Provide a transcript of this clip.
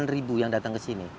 delapan ribu yang datang ke sini